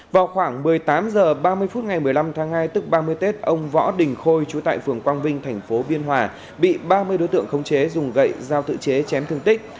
vào khoảng một mươi tám h ba mươi phút ngày một mươi năm tháng hai tức ba mươi tết ông võ đình khôi chú tại phường quang vinh thành phố biên hòa bị ba mươi đối tượng khống chế dùng gậy dao tự chế chém thương tích